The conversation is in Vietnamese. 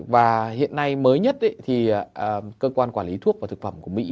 và hiện nay mới nhất thì cơ quan quản lý thuốc và thực phẩm của mỹ